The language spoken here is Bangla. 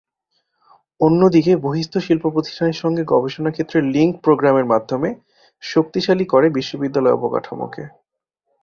অন্যদিকে বহিঃস্থ শিল্পপ্রতিষ্ঠানের সঙ্গে গবেষণাক্ষেত্রে লিংক প্রোগ্রামের মাধ্যমে শক্তিশালী করে বিশ্ববিদ্যালয় অবকাঠামোকে।